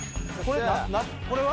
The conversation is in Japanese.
これは？